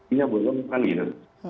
ini yang boleh kita lakukan gitu